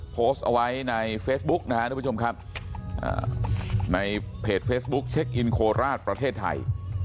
โพสต์เอาไว้ในเฟซบุ๊กนะครับทุกผู้ชมครับในเพจเฟซบุ๊คเช็คอินโคราชประเทศไทย